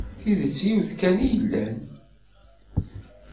Tidett yiwet kan i yellan.